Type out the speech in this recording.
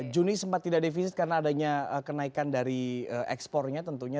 juni sempat tidak defisit karena adanya kenaikan dari ekspornya tentunya